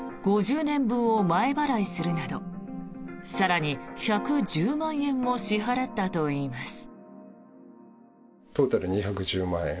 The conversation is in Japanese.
５０年分を前払いするなど更に１１０万円を支払ったといいます。